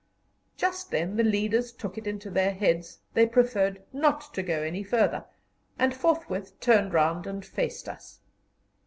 Just then the leaders took it into their heads they preferred not to go any farther, and forthwith turned round and faced us.